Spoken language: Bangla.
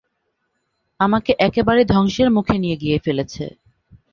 আমাকে একেবারে ধ্বংসের মুখে নিয়ে গিয়ে ফেলেছে।